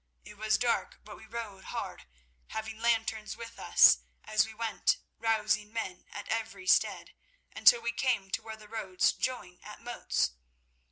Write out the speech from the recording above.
It was dark, but we rode hard, having lanterns with us, as we went rousing men at every stead, until we came to where the roads join at Moats.